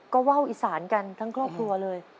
ก็ว่าวอีสานกันทั้งครอบครัวเลย